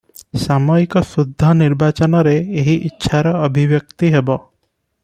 ସାମୟିକ ଶୁଦ୍ଧ ନିର୍ବାଚନରେ ଏହି ଇଚ୍ଛାର ଅଭିବ୍ୟକ୍ତି ହେବ ।